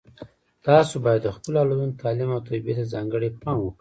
تاسو باید د خپلو اولادونو تعلیم او تربیې ته ځانګړی پام وکړئ